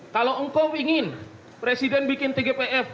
kalau engkau ingin presiden bikin tgpf